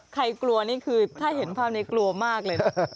กลัวนี่คือถ้าเห็นภาพนี้กลัวมากเลยนะ